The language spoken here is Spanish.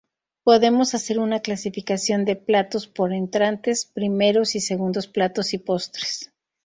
Podemos hacer una clasificación de platos por entrantes, primeros y segundos platos y postres.